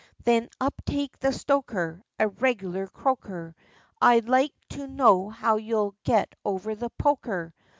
Then upspake the stoker A regular croaker, 'I'd like to know how you'll get over the poker!'